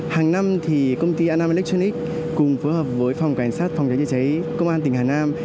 hàng năm thì công ty anaminlectronic cùng phối hợp với phòng cảnh sát phòng cháy chữa cháy công an tỉnh hà nam